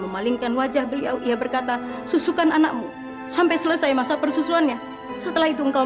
malingkan wajah beliau ia berkata susukan anakmu sampai selesai masa persusuannya setelah itu engkau